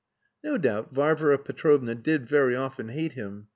No doubt Varvara Petrovna did very often hate him.